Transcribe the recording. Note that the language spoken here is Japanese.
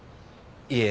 いえ。